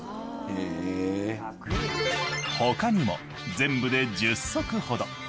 他にも全部で１０足ほど。